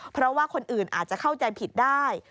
เพราะว่าคนอื่นอาจจะเข้าใจผิดได้